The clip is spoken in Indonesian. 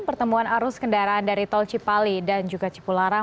pertemuan arus kendaraan dari tol cipali dan juga cipularang